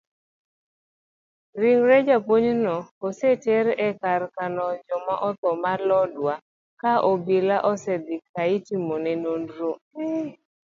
Ringre japuonjno oseter ekar kano joma otho ma lodwa ka obilano osendhi kaitimone nonro.